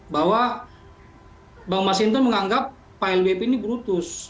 bahwa bang masinton menganggap pak lbp ini brutus